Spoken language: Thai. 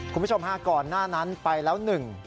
คุณผู้ชมฮะก่อนหน้านั้นไปแล้วหนึ่ง